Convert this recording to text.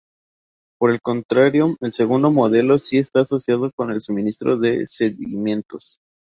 Por el contrario, el segundo modelo sí está asociado con el suministro de sedimentos.